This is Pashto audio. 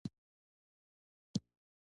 ښه چلند او اخلاق د انسان د شخصیت هنداره ده.